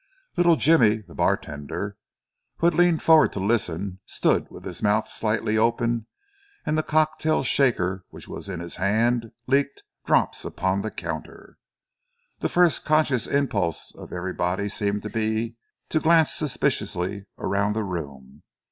Little Jimmy, the bartender, who had leaned forward to listen, stood with his mouth slightly open and the cocktail shaker which was in his hand leaked drops upon the counter. The first conscious impulse of everybody seemed to be to glance suspiciously around the room.